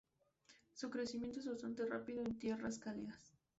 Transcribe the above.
Su crecimiento es bastante rápido en tierras cálidas.